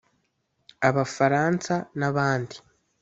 Abafaransa n’abandi